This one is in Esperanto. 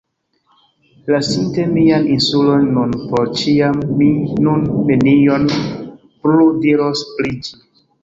Lasinte mian insulon nun por ĉiam mi nun nenion plu diros pri ĝi.